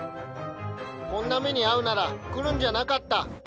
こんな目に遭うなら来るんじゃなかった。